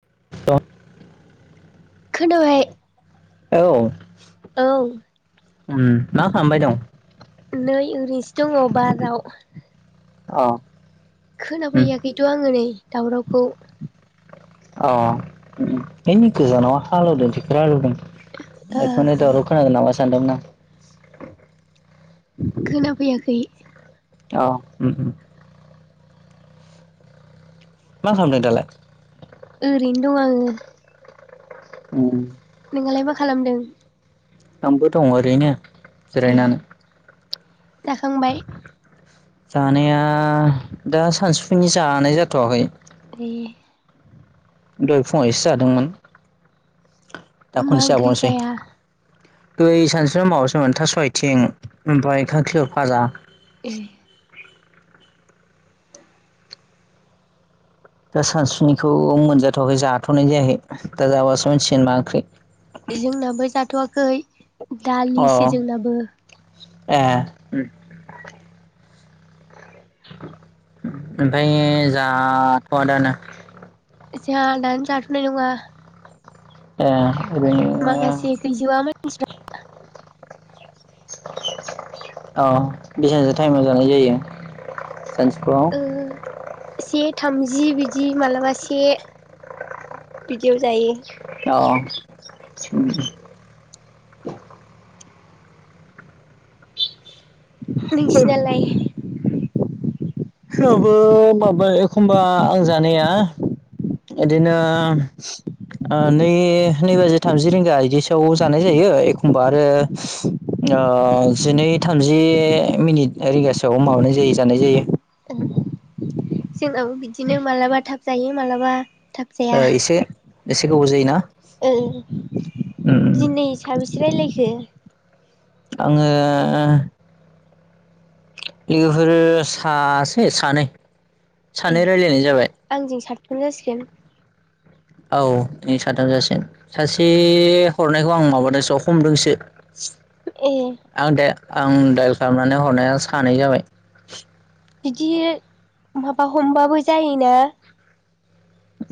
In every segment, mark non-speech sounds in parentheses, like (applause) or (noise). (unintelligible) खोनाबाय। औ उम औ मा खालामबाय दं? नै ओरैनोसो दङ बाराव अ उम खोनाफैयाखैथ' आङो नै दावरावखौ अ उम बै नै गोजानाव हालौवदो टेकथर हालौदों ओ बेखौनो दावराव खोनादो नामा सानदोंमोन आं खोनाफैयाखै। अ उम उम मा खालामदों दालाय? ओरैनो दं आङो उम नोंआलाय मा खालामदों? आंबो दं ओरैनो ए जिरायनानै जाखांबाय? जानाया दा सानसुफुनि जानाय जाथ'वाखै। दे दहय फुङाव एसे जादोंमोन। दा मा खनसे ओंख्रि जाबावनोसै। जाया दै सानस्रिाव माबासोमोन थास'आयथें ओमफाय खंखिलर फाजा ए दा सानसुफुनिखौ मोनजाथ'वाखै जाथ'नाय जायाखै दा जाबासो मिथिसिगोन मा ओंख्रि। इ जोंनाबो जाथ'वाखै दालिसो अ जोंनाबो। ए उम ओमफाय जाथ'आ दानो। जाहा दानो जाथ'नाय नङा। ए ओरैनो माखासे गैजोबा मानसि (inaudible) अ बेसेबांसो टाइमाव जानाय जायो सानजुफुआव ओ से थामजि बिदि मालाबा से बिदियाव जायो। अ अम नोंसिनालाय फोरावबो माबा एखनबा आं जानाया इदिनो ओ नै नै बाजि थामजि रिंगा इदिसोआव जानाय जायो एखनबा आरो ओ जिनै थामजि मिनिट रिंगासोआव माबानाय जायो जानाय जायो। औ जोंनाबो बिदिनो मालाबा थाब जायो मालाबा थाब जाया ओ एसे एसे गोबाव जायोना ओं उम दिनै साबैसो रायलायखो? आंङो आंङो लोगोफोर सासे सानै ए सानै रायलायनाय जाबाय। आंजों साथाम जासिगोन औ नोंजों साथाम जासिगोन। सासे हरनायखौ आं माबादोंसो आं हमदोंसो ए आं दाया आं दाइल खालामनानै हरनाया सानै जाबाय बिदि माबा हमबाबो जायोना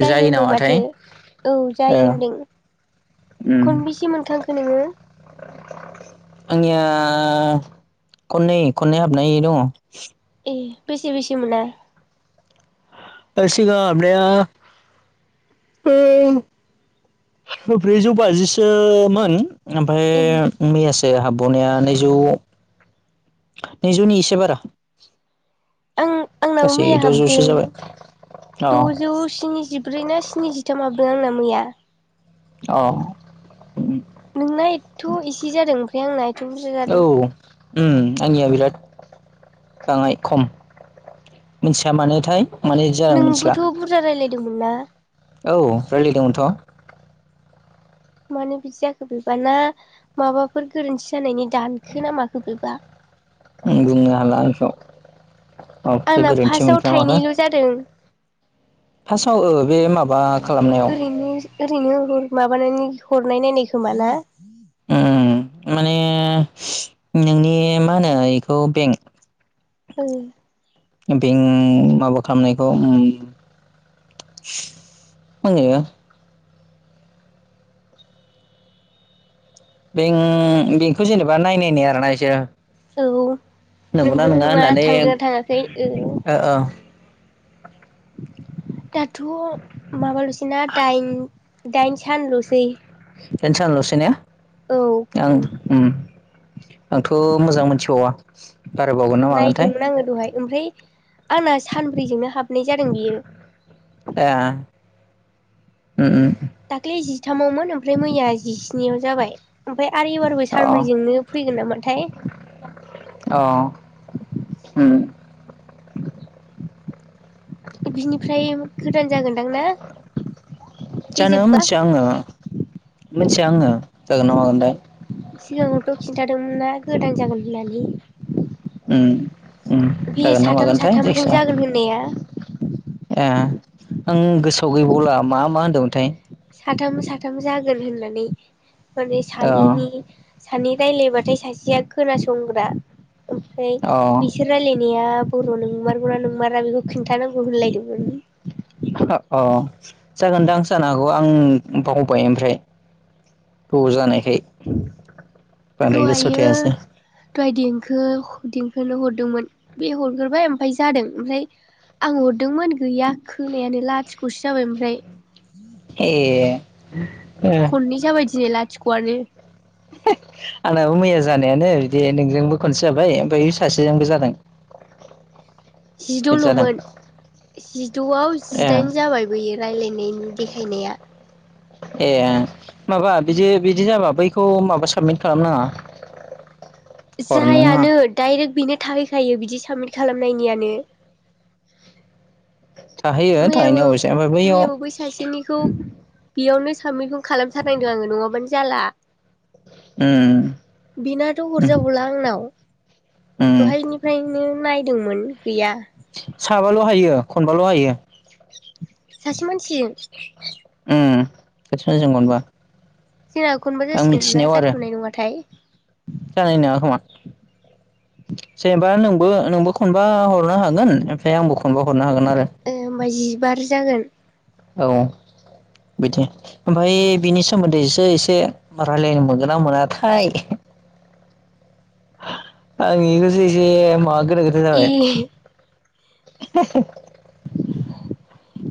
जायो होनदों माथो औ ओ जायो होन्दों उम खनबैसे मोनखांखो नोंङो (inaudible) आंनिया खननै खननै हाबनाय दङ ए बेसे बेसे मोना ए सिगां हाबनाया ब्रैजौ बाजिसो मोन। ओमफ्राय ए मैयासो हाबबावनाया नैजौ नैजौनि इसे बारा। आं आंनाबो गासै मैया दजौसो जाबाय अ (unintelligible) ब्रै ना स्निजिथाम हाबदों आंना मैया अ नोंना एथ' इसि जादों ओमफ्राय आंना एथ' बुरजा जादों अम आंनिया बिराट बाङाय खम मिथिया मानोथाय माने जादों मिथिला नोंबोथ' बुरजा रायलायदोंमोनना। औ रायलायदोंमोनथ' मानोे बिदि जाखो बेबा ना माबाफोर गोरोन्थि जानायनि दानखो नामाखो बेबा अम बुंनो हाला आं बेखौ माबाफोरसो आंना गोरोन्थि फार्स्टआव मोनखोना माखो। थाइनैल' जादों फासाआव ओ बे माबा खालामनायाव ओरैनो ओरैनो हर माबानानै हरनाय नायनाय खोमाना। अम माने नोंनि मा होनो इखौ बेंक अम बेंक माबा खालामनायखौ उम (unintelligible) बें-बेंकखौ जेनेबा नाय नायनाय आरोना बिसोरो औ नंगौना नङा थांदोंना थाङाखै ओ ओ ओ दाथ' माबाल'सै ना दाइन दाइनसानल'सै दाइनसान लसै ने? आं ओम आंथ' मोजां मोनथिबावा बारायबावगोन ना मागोनथाय नायदोंमोन आङो दहाय ओमफ्राय आंना सानब्रैजोंनो हाबनाय जादों बियो एह उम उम दाख्लै जिथामावमोन ओमफ्राय मैया जिस्नियाव जाबाय ओमफ्राय आरो एबार (unintelligible) सानब्रैजोंनो फैगोन नामाथाय अह उम बिनिफ्राय गोदान जागोनदां ना बे जानो जोबबा मिथिया आङो मिथिया आङो जागोन ना मागोन थाय सिगाङावथ' खिन्थादोंमोन ना गोदान जागोन होननानै उम उम बे जागोन ना साथाम मागोनथाय साथामजों जायखिजाया जागोन होननाया ए आं गोसोआव गैबावला मा मा होन्दोंमोनथाय? साथाम साथाम जागोन होननानै माने अ सानैनि सानै रायज्लायबाथाय सासेया खोनासंग्रा ओमफ्राय अ बि बिसोर रायलायनाया बर' नोंमारगौना नोंमारा बेखौ खिन्थानांगौ होनलायदोंमोन। अ जागोनदां आं जानो हागौ आं बावबाय ओमफ्राय गोबाव जानायखाय बांद्राय गोसोआव दहायो थायासै दहाय देंखो देंखोनो हरदोंमोन बे हरग्रोबाय ओमफफ्राय जादों ओमफ्राय आं हरदोंमोन गैया खोनायानो लाथिख'सो जाबाय ओमफ्राय ए उम खननै जाबायदिनोै लाथिख'आनो आंनाबो मैया जानायानो बिदि नोंजोंबो खनसे जाबाय ओमफ्राय सासेजोंबो जादों। (inaudible) बिदि जादों जिद'ल'मोन जिद'आव ए जिदाइन जाबाय बैयो रायज्लायनायनि देखायनाया ए माबा बिदि बिदि जाबा बैखौ माबा साबमिट खालाम नाङा (inaudible) जायानो डाइरेक्ट बेनो थाहैखायो बिदि साबमिट खालामनायनियानो थाहैयो मैयाबो थाहैनाया अबयसे ओमफ्राय बैयाव मैयाबो बै सासेनिखौ बेयावनो सामिटखौ खालामथारनांदों आङो नङाबानो जाला उम बेनाथ' उम हरजाबावला आंनाव उम दहायनि निफ्रायनो नायदोंमोन गैया साबाल' हायो खनबाल' हायो। सासे मानसिजों उम सासे मानसिजों खनबा जोंना खनबा आं जासिगोन ना मिथिनायाव आरो जाथ'नाय नङाथाय? जानाय नङा खोमा जेनेबा नोंबो नोंबो खनबा हरनो हागोन ओमफ्राय आंबो खनबा हागोन आरो। ए होमबा जिबार जागोन। औ बिथिं ओमफाय बिनि सोमोन्दैसो एसे रायलायनो मोनगोन ना मोनाथाय आं एखौसो एसे माबा गोनो गोथो ए जाबाय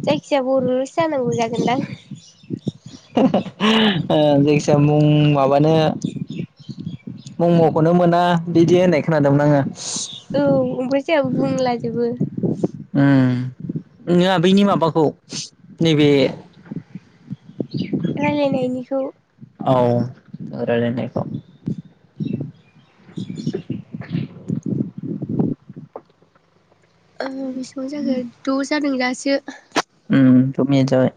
जायखिजाया बर'ल'सो जानांगौ जागोनदां ओ जायखि जाया मुं माबानो (inaudible) मम'खौनो मोना बिदि होननाय खोनादोंमोन आङो। औ ओमफ्राय जायाबाबो बुंलाजोबो ओम ओङा बैनि माबाखौ नैबे रायलायनायनिखौ औ रायलायनायखौ (inaudible) ओ बेसेबां जाखो द' जादों दासो। ओम द' मिनिद जाबाय।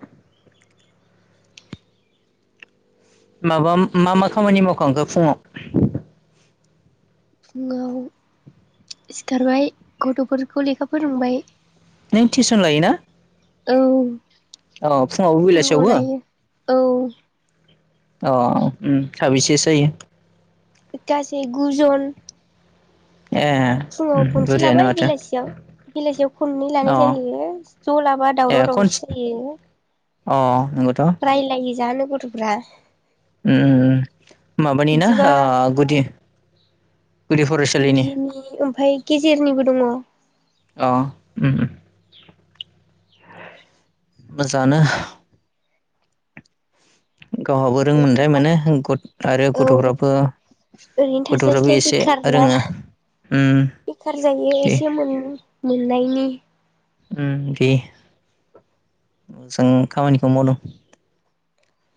माबा मा मा खामानि मावखांखो फुङाव? फुङाव सिखारबाय गथ'फोरखौ लेखा फोरोंबाय। नों टिउसन लायोना? औ अ फुङावबो फुङाव बेलासियावबो लायो औ औ अ ओम साबैसेसो जायो? गासै गुजन ए फुङाव उम खनसे बुरजायानो लाबाय माथो बेलासियाव बेलासियाव खननै अ लानाय जायो ज' लाबा दावराव दावसि जायो। ओ नंगौथ' उम रायलायो जानो गथ'फ्रा। ओम ओम माबानि ना बिदिबा गुदि गुदि फरायसालिनि गुदिनि ओमफ्राय गेजेरनिबो दङ। अ ओम ओम मोजाङानो। गावहाबो रोंमोनथाय मोनो आरो गथ-गथ'फ्राबो ओरैनो गथ'फ्राबो थास्लायस्लाय एसे बेखार ना रोङो। उम बेखार जायो दे एसे मोनो मोननायनि। ओम दे, मोजां खामानिखौ मावदों।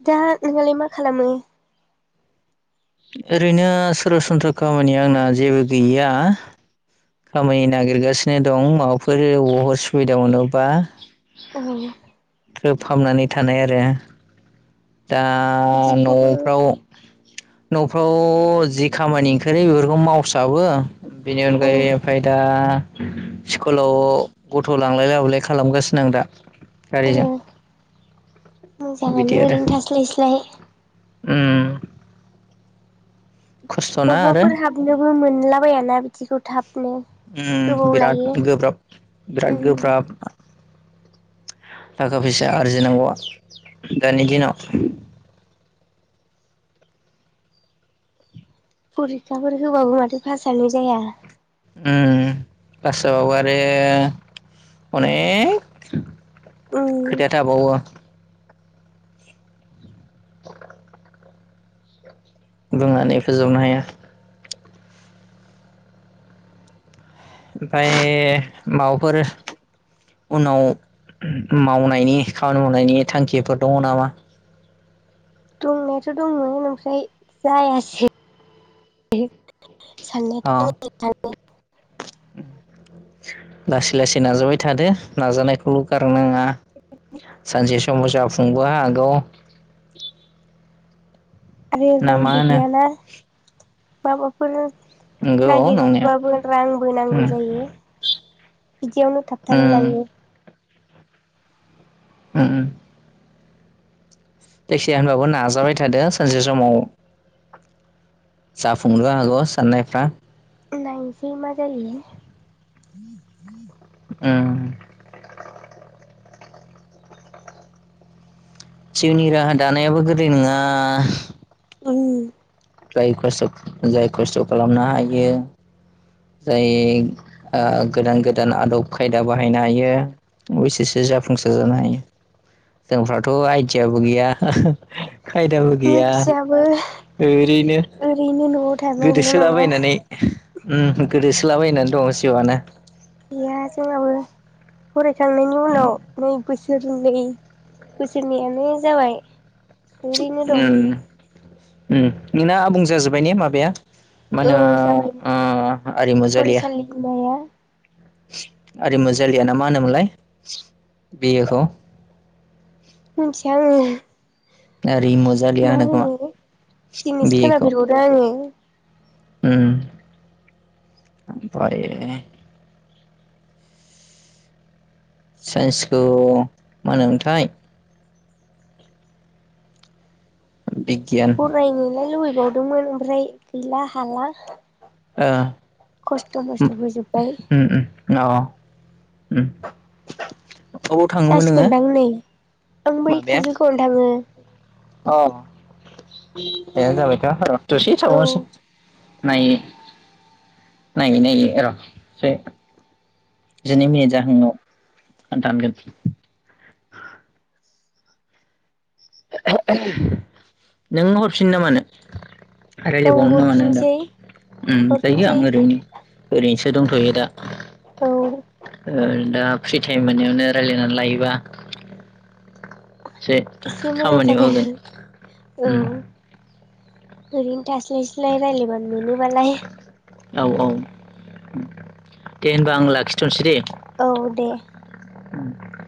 दा नोंनालाय मा खालामो? ओरैनो सरासनस्रा खामानिया आंना जेबो गैया। खामानि नागिरगासिनो दं माबाफोर बबावबा सुबिदा मोनोबा। औ ग्रोब हाबनानै थानाय आरो दा बिदिखौबो न'फ्राव न'फ्राव जि खामानि ओंखारो बेफोरखौ मावसाबो। बेनि ओ अनगायै ओमफ्राय दा स्कुलाव गथ' लांलाय लाबोलाय खालामगासिनो आं दा। ओ गारिजों, बिदि आरो। स्लायस्लाय। ओम। खस्थ'ना अबावबा आरो फोर हाबनोबो मोनलाबायाना बिदिखौ थाबनो ओम गोबाव बिराद लायो गोब्राब बिराद उम गोब्राब थाखा फैसा आरजिनांगौआ दानि दिनाव फरिखाफोर होबाबो माथो पास जानो जाया। ओम पास जाबाबो‌ आरो उम अनेक खोथा थाबावयो बुंनानै फोजोबनो हाया। ओमफ्राय माबाफोर उनाव मावनायनि खामानि मावनायनि थांखिफोर दङ नामा? दंनायाथ' दंमोन ओमफ्राय जायासै। साननायाथ' अ मोजां सानो लासै लासै नाजाबाय थादो नाजानायखौल' गारनाङा सानसे समाव जाफुंबो हागौ। आरो ना मा रांबो होनो गैयाना माबाफोर नंगौ नंनाया नागिरबाबो रांबो उम नांगौ जायो। बिदियावनो थाबथालाय उम लाङो। उम उम जायखिजाया होनबाबो नाजाबाय थादो सानसे समाव जाफुंनोबो हागौ साननायफ्रा। नायनोसै मा जायो। ओम। जिउनि राहा दानायाबो गोरलै नङा। उम जाय खस्थ जाय खस्थ' खालामनो हायो जाय ओ गोदान गोदान आदब खायदा बाहायनो हायो। बेसोरसो जाफुंसार जानो हायो जोंफ्राथ' आइदियाबो गैया खायदाबो गैया मोनथियाबो ओरैनो ओरैनो न'आव थानायल' नङा गोदोसोलाबायनानै ओम गोदोसोलाबायनानै दं जिउआनो। गैया जोंनाबो फरायखांनायनि उनाव नै बोसोरनै बोसोरनैयानो जाबाय। ओरैनो दं ओम ओम नोंना आबुं जाजोब्बाय ने माबाया मा औ होनो जाबायमोन आरिमु जालिया फरायसालिमाया आरिमु जालियाना मा होनोमोनलाय बि एखौ मिथिया आङो आरिमु जालिया होनो खोमा दिनैसो बि ए खौ। खोनाफेरबावदों आङो ओम साइन्सखौ मा होनोमोनथाय। बिग फरायनोलाय लुबैबावदोंमोन ओमफ्राय गैला हाला। ओ खस्थ' ओम ओम मस्थ'बो जोब्बाय अ अ ओम जासिगोनदां नै आं बै माबाया खाजोलगाव आवनो थाङो। अ ए जाबायथ' र' दसे औ थाबावसै। नायो नायो नायो र' जिनै मिनिट जाहां आव आं दानगोन। नों हरफिननो ना मानो। औ रायजलायबावनो मानो हरफिनसै होनादां जायो हरफिनसै आं ओरैनो ओरैनोसो दंथ'यो दा औ ओ दा फ्रि टाइम मोनावनो रायजलायनानै लायोबा एसे एसे मोजां खामानियाव होगोन जागोन औ उम ओरैनो थास्लाय स्लाय रायज्लायबानो मोनोबालाय औ औ दे होनबा आं लाखिथ'सै दे औ दे ओम